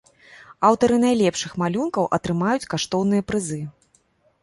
Аўтары найлепшых малюнкаў атрымаюць каштоўныя прызы.